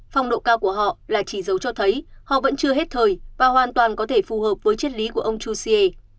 phong độ cao của họ là chỉ dấu cho thấy họ vẫn chưa hết thời và hoàn toàn có thể phù hợp với chất lý của ông jouzier